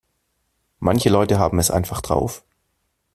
Manche Leute haben es einfach drauf.